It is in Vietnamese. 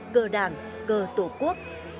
cờ đảng cờ tổ quốc